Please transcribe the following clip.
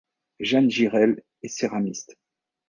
Jeanne Girel est céramiste.